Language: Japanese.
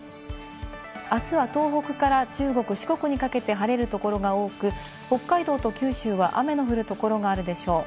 明日は東北から中国・四国にかけて晴れる所が多く、北海道と九州は雨の降る所があるでしょう。